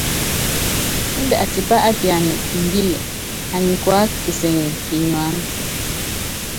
Índɛ atipá apiana imbíli, anyi kuáka kisɛŋɛ kínyuána.